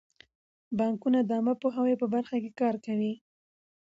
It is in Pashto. بانکونه د عامه پوهاوي په برخه کې کار کوي.